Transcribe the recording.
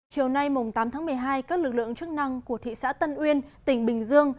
chiều nay tám tháng một mươi hai các lực lượng chức năng của thị xã tân uyên tỉnh bình dương